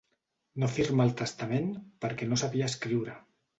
No firmà el testament perquè no sabia escriure.